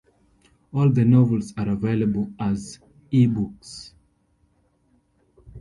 All the novels are available as ebooks.